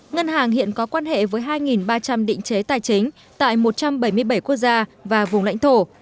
ngân hàng hiện có quan hệ với hai ba trăm linh định chế tài chính tại một trăm bảy mươi bảy quốc gia và vùng lãnh thổ